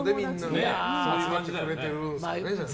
集まってくれてるんですかね。